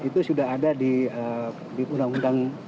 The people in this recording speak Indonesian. itu sudah ada di undang undang